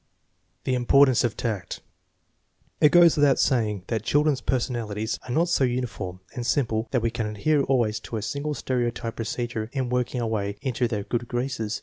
The importance of tact. It goes without saying that chil dren's personalities are not so uniform and simple that we can adhere always to a single stereotyped procedure in working our way into their good graces.